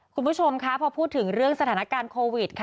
คุณผู้ชมคะพอพูดถึงเรื่องสถานการณ์โควิดค่ะ